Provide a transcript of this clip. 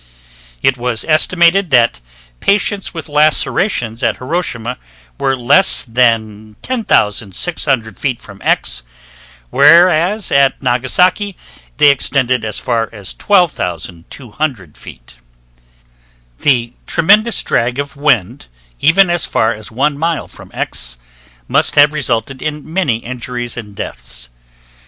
It was estimated that patients with lacerations at Hiroshima were less than 10,600 feet from X, whereas at Nagasaki they extended as far as 12,200 feet. The tremendous drag of wind, even as far as 1 mile from X, must have resulted in many injuries and deaths.